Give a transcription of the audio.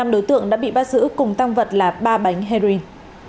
năm đối tượng đã bị bắt giữ cùng tăng vật là ba bánh heroin